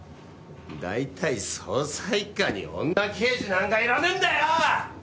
大体捜査一課に女刑事なんかいらねえんだよ！